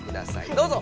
どうぞ！